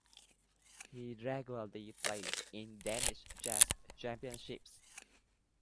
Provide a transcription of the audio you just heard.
He regularly played in Danish Chess Championships.